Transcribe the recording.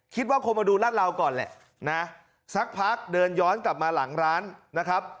คิดว่าคงมาดูรัดราวก่อนแหละนะสักพักเดินย้อนกลับมาหลังร้านนะครับ